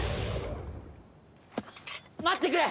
待ってくれ！